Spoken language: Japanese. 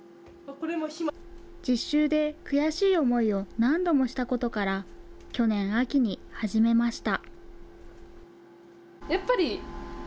実習で悔しい思いを何度もしたことから、去年秋に始めました。